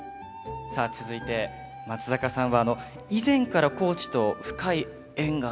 さあ続いて松坂さんは以前から高知と深い縁があるんだそうで。